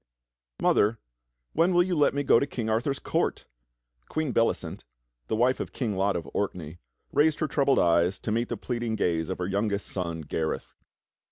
"^^^OTHER, when wall you let me go to King Arthur's court.?" 1 // Queen Bellicent, the wife of King Lot of Orkney, raised her troubled eyes to meet the pleading gaze of her youngest son, Gareth.